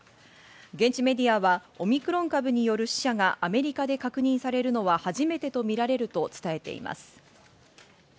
現地メディアはオミクロン株による死者がアメリカで確認されるのは初めてとみられると伝えています。